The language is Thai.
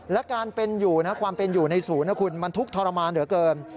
และความเป็นอยู่ในศูนย์มันทุกข์ทรมานเหลือเกิน